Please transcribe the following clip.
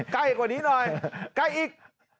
ใกล้กว่านี้หน่อยใกล้อีก